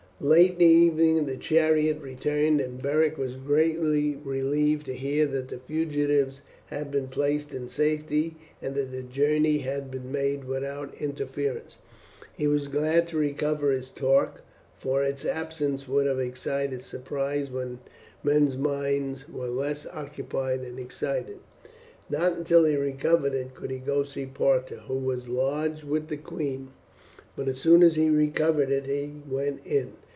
Late in the evening the chariot returned, and Beric was greatly relieved to hear that the fugitives had been placed in safety and that the journey had been made without interference. He was glad to recover his torque, for its absence would have excited surprise when men's minds were less occupied and excited. Not until he recovered it could he go to see Parta, who was lodged with the queen, but as soon as he recovered it he went in.